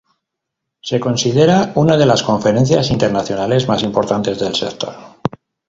Se considera una de las conferencias internacionales más importantes del sector.